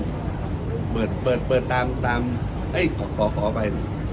ถ้าเป็นสถานบริการอยู่แล้วก็เปิดใน๔จังหวัดถึงตี๔ได้